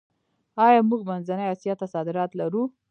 آیا موږ منځنۍ اسیا ته صادرات لرو؟